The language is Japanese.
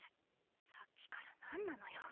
さっきからなんなのよ。